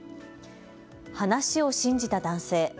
話を信じた男性。